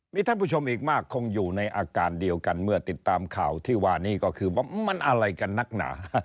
มีท่านผู้ชมอีกมากคงอยู่ในอาการเดียวกันเมื่อติดตามข่าวที่ว่านี้ก็คือว่ามันอะไรกันนักหนา